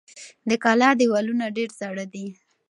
د کلا دېوالونه ډېر زاړه دي.